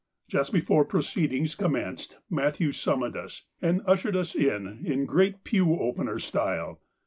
Just before proceedings commenced Matthew summoned us, and ushered us in in great pew opener style.